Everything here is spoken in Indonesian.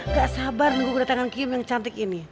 gak sabar nunggu kedatangan kim yang cantik ini